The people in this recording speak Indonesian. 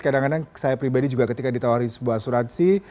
kadang kadang saya pribadi juga ketika ditawari sebuah asuransi